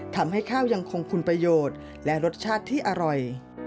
ทำให้ข้าวยังคงคุณประโยชน์และรสชาติที่อร่อย